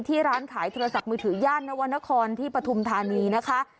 ร้านขายโทรศัพท์มือถือย่านนวรรณครที่ปฐุมธานีนะคะ